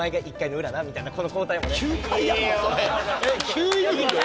９イニングは。